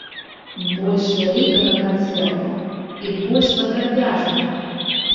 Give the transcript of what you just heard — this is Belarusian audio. Больш вялікага канцэрта, і больш падрабязнага.